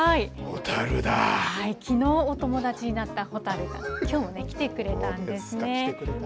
きのうお友達になった蛍がきょうも来てくれたんですね。